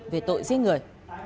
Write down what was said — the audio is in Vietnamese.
về tội giết người